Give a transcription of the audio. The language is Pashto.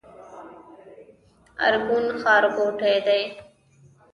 ارګون ښارګوټی دی؟